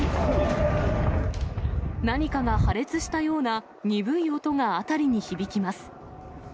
何かが破裂したような鈍い音が辺りに響きます。